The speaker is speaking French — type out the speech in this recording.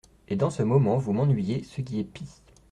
Et dans ce moment, vous m’ennuyez, ce qui est pis !